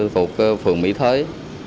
thuộc phường mỹ thới